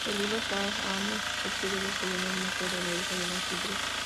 El libro "Shāh-nāmeh" describe dos leyendas más sobre el origen del ajedrez.